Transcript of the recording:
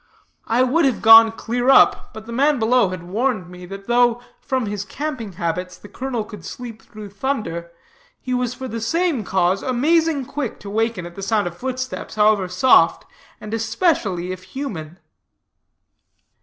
I would have gone clear up, but the man below had warned me, that though, from his camping habits, the colonel could sleep through thunder, he was for the same cause amazing quick to waken at the sound of footsteps, however soft, and especially if human."